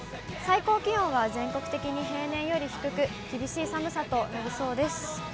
最高気温は全国的に平年より低く、厳しい寒さとなりそうです。